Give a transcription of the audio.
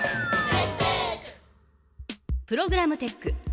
プログラムテック。